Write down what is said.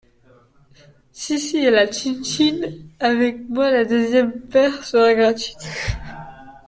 Si si, à la Tchin-Tchin: avec moi la deuxième paire sera gratuite!